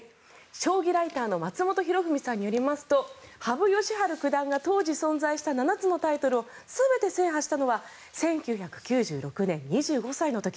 将棋ライターの松本博文さんによりますと羽生善治九段が当時存在した７つのタイトルを全て制覇したのは１９９６年、２５歳の時。